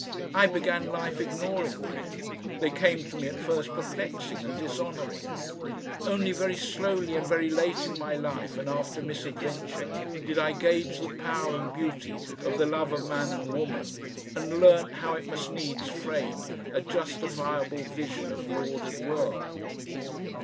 I began life ignoring women, they came to me at first perplexing and dishonouring; only very slowly and very late in my life and after misadventure, did I gauge the power and beauty of the love of man and woman and learnt how it must needs frame a justifiable vision of the ordered world.